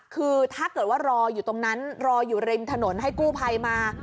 คือถ้าเกิดว่ารออยู่ตรงนั้นรออยู่ริมถนนให้กู้ภัยมา